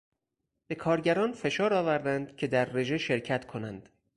به کارگران فشار آوردند که در رژه شرکت کنند.